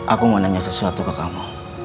aku mau nanya sesuatu ke kamu